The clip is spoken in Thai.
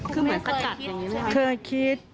คุณแม่เคยคิดเหรอ